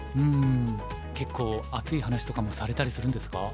結構熱い話とかもされたりするんですか？